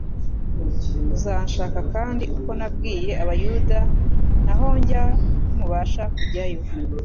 muzanshaka kandi uko nabwiye abayuda nti : Aho njya ntimubasha kujyayo,